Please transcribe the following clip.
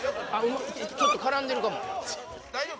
ちょっと絡んでるかも・大丈夫？